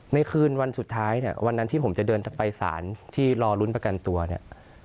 คืนวันสุดท้ายเนี่ยวันนั้นที่ผมจะเดินไปสารที่รอลุ้นประกันตัวเนี่ย